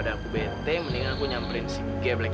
dayanya masih dumit